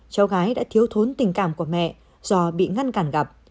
cháu gái đã thiếu thốn tình cảm của mẹ do bị ngăn cản gặp